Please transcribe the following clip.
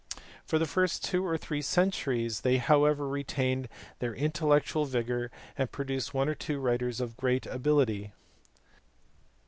For the first two or three centuries they however retained their intellectual vigour, and produced one or two writers of great ability.